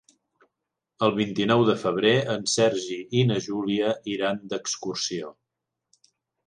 El vint-i-nou de febrer en Sergi i na Júlia iran d'excursió.